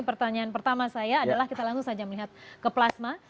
pertanyaan pertama saya adalah kita langsung saja melihat ke plasma